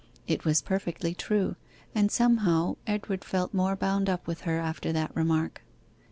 It was perfectly true, and somehow Edward felt more bound up with her after that remark.